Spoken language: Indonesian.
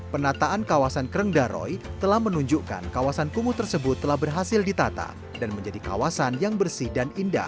penataan kawasan kreng daroy telah menunjukkan kawasan kumuh tersebut telah berhasil ditata dan menjadi kawasan yang bersih dan indah